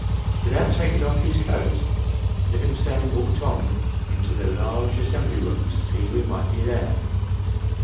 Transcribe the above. Without taking off his coat, Livingstone walked on into the large assembly room to see who might be there.